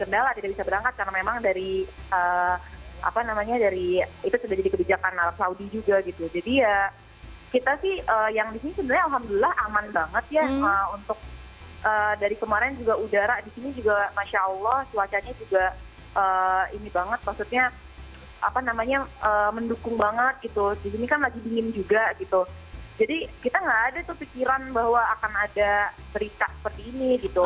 dendak lah tidak bisa berangkat karena memang dari apa namanya dari itu sudah jadi kebijakan alat saudi juga gitu jadi ya kita sih yang disini sebenarnya alhamdulillah aman banget ya untuk dari kemarin juga udara disini juga masya allah cuacanya juga ini banget maksudnya apa namanya mendukung banget gitu disini kan lagi dingin juga gitu jadi kita gak ada tuh pikiran bahwa akan ada berita seperti ini gitu